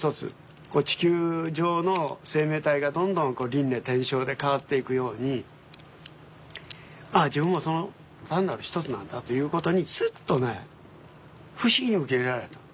地球上の生命体がどんどんこう輪廻転生で変わっていくようにああ自分もその単なる一つなんだということにスッとね不思議に受け入れられた。